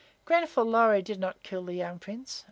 Grenfall Lorry did not kill the young Prince.